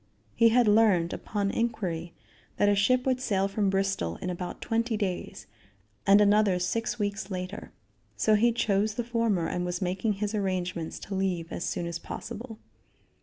He had learned, upon inquiry, that a ship would sail from Bristol in about twenty days, and another six weeks later. So he chose the former and was making his arrangements to leave as soon as possible.